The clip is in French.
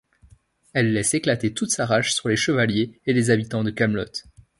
Elle laisse éclater toute sa rage sur les Chevaliers et les habitants de Camelot.